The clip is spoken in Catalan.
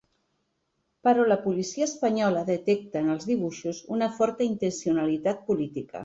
Però la policia espanyola detecta en els dibuixos una forta intencionalitat política.